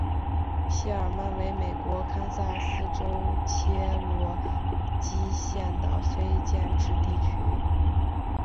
谢尔曼为美国堪萨斯州切罗基县的非建制地区。